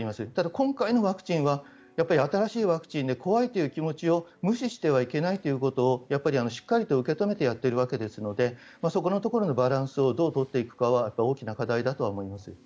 今回のワクチンは新しいワクチンで怖いという気持ちを無視してはいけないということをしっかりと受け止めてやっているわけですのでそこのところのバランスをどう取るかは大きな課題だと思います。